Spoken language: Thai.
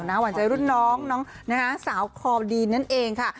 หวานใจรุ่นน้องน้องสาวคอดีนนั่นเองค่ะ